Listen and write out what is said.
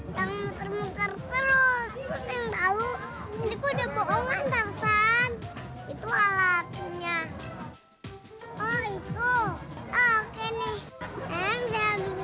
sarang jangan mungker mungker terus